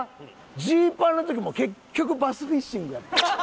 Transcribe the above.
ジーパンの時も結局バスフィッシング。